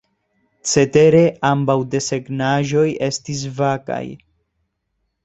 Cetere ambaŭ desegnaĵoj estis vakaj.